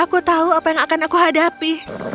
aku tahu apa yang akan aku hadapi